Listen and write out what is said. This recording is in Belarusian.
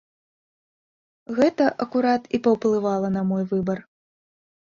Гэта акурат і паўплывала на мой выбар.